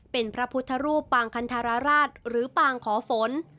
เป็นพระพุทธรูปปางคันธรราชหรือปางขอฝน